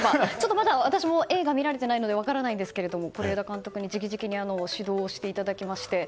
まだ私も映画は見られてないので分からないんですけれども是枝監督に直々に指導していただきまして。